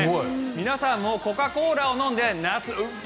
皆さんもコカ・コーラを飲んで夏、うっ。